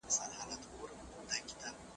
دا غونډۍ د کلي په لویدیځ اړخ کې ده.